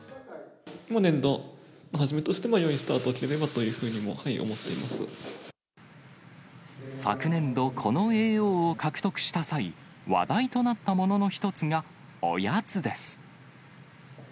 年度初めとしても、よいスタートを切れればというふうにも思昨年度、この叡王を獲得した際、話題となったものの一つが、おやつです。